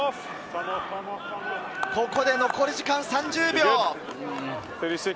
ここで残り時間３０秒。